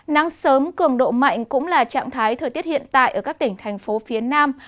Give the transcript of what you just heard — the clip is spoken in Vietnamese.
nắng sớm cường độ mạnh cũng là trạng thái thời tiết hiện tại ở các tỉnh thành phố phía nam